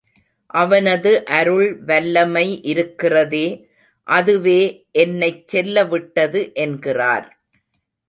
அவனது அருள் வல்லமை இருக்கிறதே, அதுவே என்னைச் செல்ல விட்டது என்கிறார்.